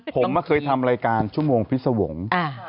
ผมเคยทำรายการชมวงพิสวง